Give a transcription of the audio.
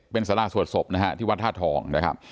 เป็นสาราสวดศพนะฮะที่วัดธาตุทองนะครับ